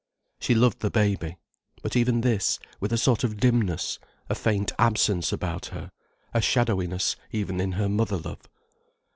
She loved the baby. But even this, with a sort of dimness, a faint absence about her, a shadowiness even in her mother love.